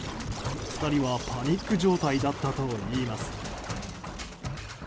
２人はパニック状態だったといいます。